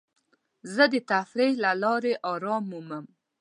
زه د تفریح له لارې ارام مومم.